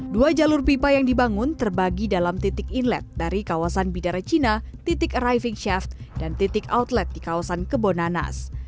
dua jalur pipa yang dibangun terbagi dalam titik inlet dari kawasan bidara cina titik arriving shaft dan titik outlet di kawasan kebonanas